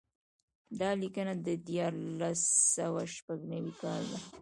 دا لیکنه د دیارلس سوه شپږ نوي کال ده.